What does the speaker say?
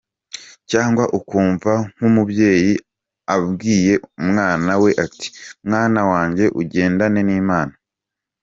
cyangwa ukumva nk’umubyeyi abwiye umwana we ati : «Mwana wanjye ugendane n’Imana.